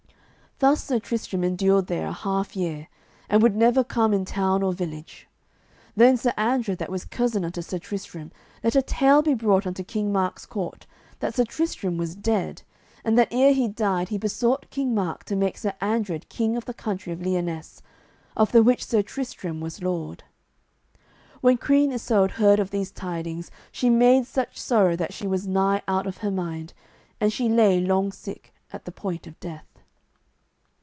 Thus Sir Tristram endured there a half year, and would never come in town or village. Then Sir Andred, that was cousin unto Sir Tristram, let a tale be brought unto King Mark's court that Sir Tristram was dead, and that ere he died he besought King Mark to make Sir Andred king of the country of Lyonesse, of the which Sir Tristram was lord. When Queen Isoud heard of these tidings she made such sorrow that she was nigh out of her mind, and she lay long sick, at the point of death.